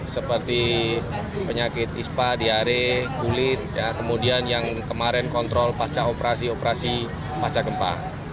seperti penyakit ispa diare kulit kemudian yang kemarin kontrol pasca operasi operasi pasca gempa